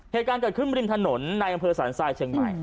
เหตุการณ์เกิดขึ้นริมถนนในอำเภอสรรทรายเชียงใหม่